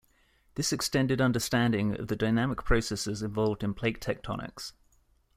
This extended understanding of the dynamic processes involved in plate tectonics.